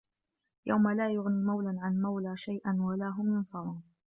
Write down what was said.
يَومَ لا يُغني مَولًى عَن مَولًى شَيئًا وَلا هُم يُنصَرونَ